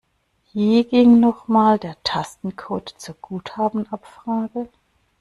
Wie ging noch mal der Tastencode zur Guthabenabfrage?